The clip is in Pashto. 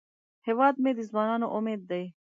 هیواد مې د ځوانانو امید دی